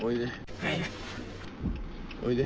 おいで。